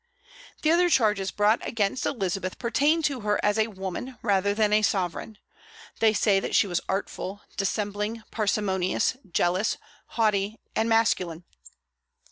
The other charges brought against Elizabeth pertain to her as a woman rather than a sovereign. They say that she was artful, dissembling, parsimonious, jealous, haughty, and masculine.